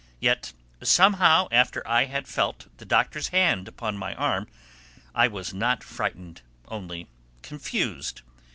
Yet somehow after I had felt the Doctor's hand upon my arm I was not frightened, only confused.